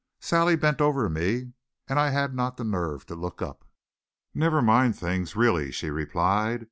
Sally bent over me and I had not the nerve to look up. "Never mind things really," she replied.